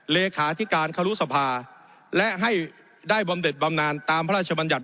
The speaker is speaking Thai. เลขาธิการครุสภาและให้ได้บำเด็ดบำนานตามพระราชบัญญัติ